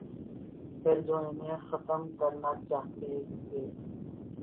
پھر جو انہیں ختم کرنا چاہتے تھے۔